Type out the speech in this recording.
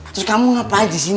terus kamu ngapain disini